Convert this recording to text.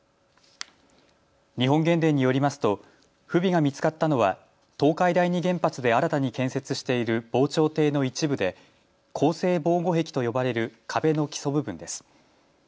日本原電によりますと不備が見つかったのは東海第二原発で新たに建設している防潮堤の一部で鋼製防護壁と呼ばれる壁の基礎部分です。